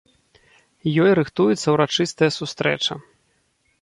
Ёй рыхтуецца ўрачыстая сустрэча.